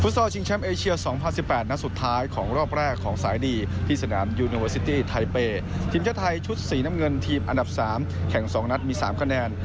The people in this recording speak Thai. ทีมเจ้าไทยชุดสีน้ำเงินทีมอันดับ๓แข่ง๒นัดมี๓คะแนน